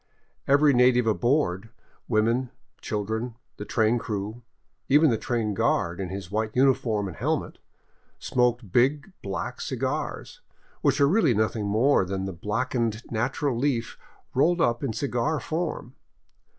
Every native aboard, — women, children, the train crew, even the train guard in his white uniform and helmet — smoked big, black cigars, which are really nothing more than the black ened natural leaf rolled up in cigar form.